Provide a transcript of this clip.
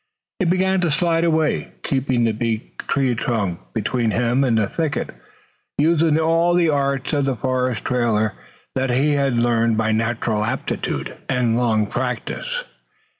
He began to slide away, keeping the big tree trunk between him and the thicket, using all the arts of the forest trailer that he had learned by natural aptitude and long practice.